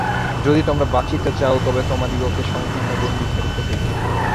যদি তোমরা বাঁচিতে চাও, তবে তোমাদিগকে সঙ্কীর্ণ গণ্ডি ছাড়িতে হইবে।